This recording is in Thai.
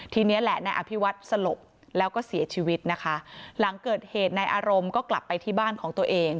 ทีนี้แหละนายอภิวัฒน์สลบแล้วก็เสียชีวิตนะคะหลังเกิดเหตุนายอารมณ์ก็กลับไปที่บ้านของตัวเอง